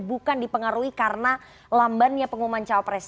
bukan dipengaruhi karena lambannya pengumuman cawapres